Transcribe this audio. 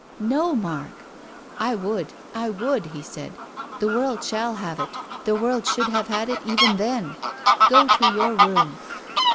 " No, Mark !"" I would, I would," he said. " The world shall have it, the world should have had it even then. Go to your room."